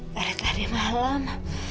dari tadi malem